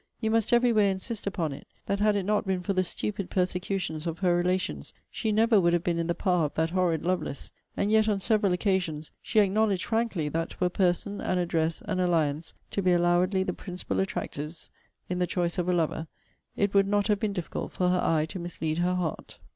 You must every where insist upon it, that had it not been for the stupid persecutions of her relations, she never would have been in the power of that horrid Lovelace. And yet, on several occasions, she acknowledged frankly, that were person, and address, and alliance, to be allowedly the principal attractives in the choice of a lover, it would not have been difficult for her eye to mislead her heart.